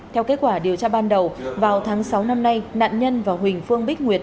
theo kết quả điều tra ban đầu vào tháng sáu năm nay nạn nhân và huỳnh phương bích nguyệt